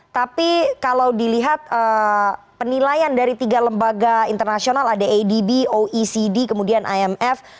tapi kalau dilihat penilaian dari tiga lembaga internasional ada adb oecd kemudian imf